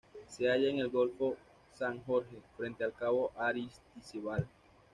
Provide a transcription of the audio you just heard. Se halla en el Golfo San Jorge, frente al Cabo Aristizábal.